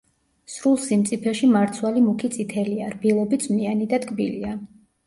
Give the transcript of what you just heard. სრულ სიმწიფეში მარცვალი მუქი წითელია, რბილობი წვნიანი და ტკბილია.